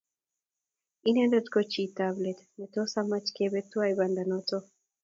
Inendet ko chit ab let netos amach kebe tuwai banda noto